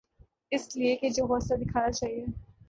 اس لئے کہ جو حوصلہ دکھانا چاہیے۔